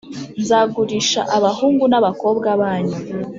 Nzagurisha abahungu n’abakobwa banyu